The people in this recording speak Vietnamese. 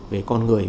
về con người